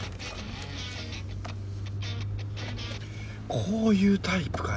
こういうタイプかよ